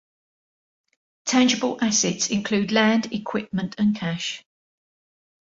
Tangible assets include land, equipment, and cash.